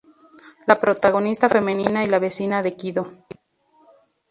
La protagonista femenina y la vecina de Kido.